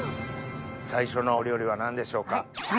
最初のお料理は何でしょうか？